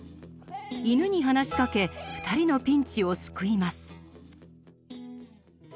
犬に話しかけ二人のピンチを救います。